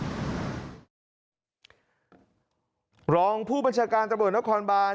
บรองผู้บัญชาการตำรวจนักความบ้าน